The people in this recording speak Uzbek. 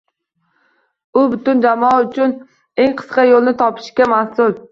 U butun jamoa uchun eng qisqa yo’lni topishga mas’ul